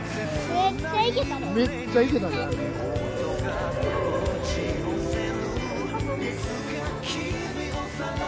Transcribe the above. めっちゃいけたじゃん。